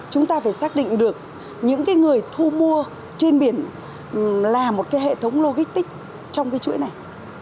chúng ta phải xác định được những người thu mua trên biển là một hệ thống lô gích tích trong cái chuỗi này